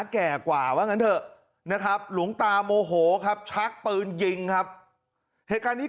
แก่กว่าว่างั้นเถอะนะครับหลวงตาโมโหครับชักปืนยิงครับเหตุการณ์นี้